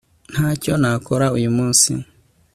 ntacyo nakoze uyu munsi